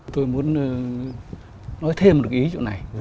tôi muốn nói thêm một cái ý chỗ này